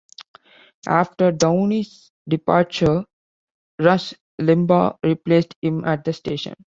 After Downey's departure, Rush Limbaugh replaced him at the station.